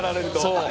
そう。